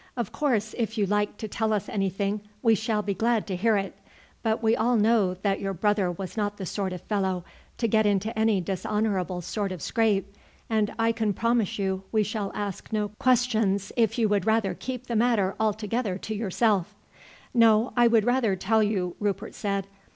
Of course if you like to tell us anything we shall be glad to hear it, but we all know that your brother was not the sort of fellow to get into any dishonourable sort of scrape, and I can promise you we shall ask no questions if you would rather keep the matter altogether to yourself." "No, I would rather tell you," Rupert said.